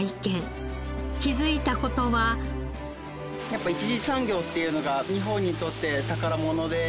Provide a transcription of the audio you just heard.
やっぱり１次産業っていうのが日本にとって宝物で。